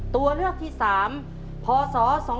ตัวเลือกที่๓พศ๒๕๖